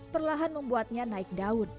perlahan membuatnya naik daun